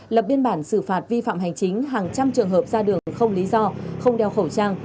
lập biên bản xử phạt vi phạm hành chính hàng trăm trường hợp ra đường không lý do không đeo khẩu trang